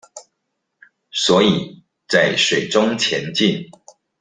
所以在水中前進